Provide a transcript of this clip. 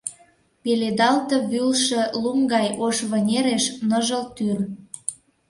Пеледалте вӱлше лум гай ош вынереш, ныжыл тӱр.